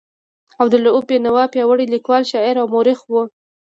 عبدالرؤف بېنوا پیاوړی لیکوال، شاعر او مورخ و.